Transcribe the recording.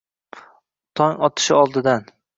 Tong otishi oldidan